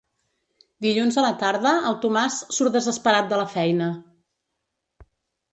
Dilluns a la tarda el Tomàs surt desesperat de la feina.